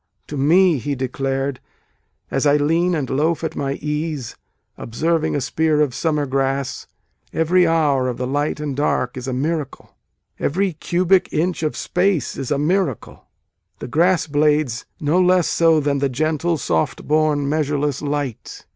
"To me," he declared, "as I lean and loaf at my ease, observing a spear of summer grass," Every hour of the light and dark is a miracle Every cubic inch of space is a miracle, the grass blades no less so than the "gentle soft born measureless light."